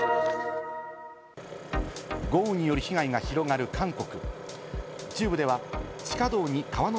豪雨による被害が広がる韓国。